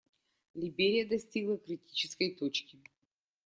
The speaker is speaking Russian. Либерия достигла критической точки.